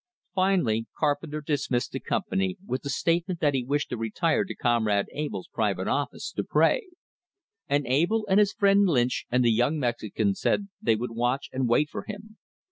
Finally Carpenter dismissed the Company, with the statement that he wished to retire to Comrade Abell's private office to pray; and Abell and his friend Lynch and the young Mexican said they would watch and wait for him.